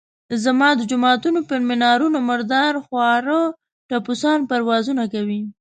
زما د جوماتونو پر منارونو مردار خواره ټپوسان پروازونه کوي.